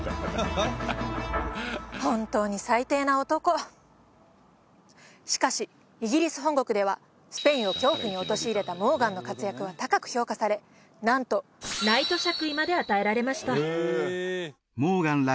本当に最低な男しかしイギリス本国ではスペインを恐怖に陥れたモーガンの活躍は高く評価されなんとナイト爵位まで与えられましたモーガンら